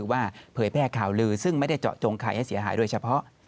ว่าเผยแพร่ข่าวลือซึ่งไม่ได้เจาะจงใครให้เสียหายโดยเฉพาะ